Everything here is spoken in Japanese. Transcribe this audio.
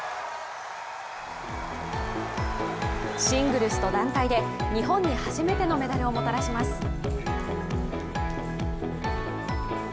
シングルスと団体で日本に初めてのメダルをもたらします。